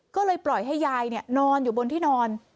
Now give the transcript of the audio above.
ก็เลยปล่อยให้ยายนอนอยู่บนที่นอน